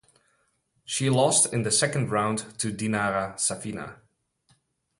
She lost in the second round to Dinara Safina.